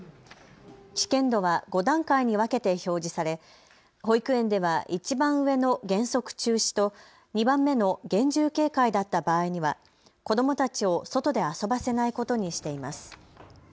危険度は５段階に分けて表示され保育園ではいちばん上の原則中止と２番目の厳重警戒だった場合には子どもたちを外で遊ばせないことにしています。